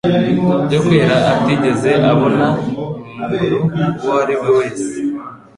yo kwera atigeze abona mu muntu uwo ari we wese.